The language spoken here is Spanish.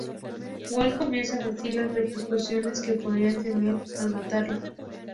Walt comienza a decir las repercusiones que podrían tener al matarlo.